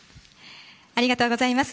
ありがとうございます。